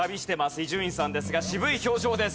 伊集院さんですが渋い表情です。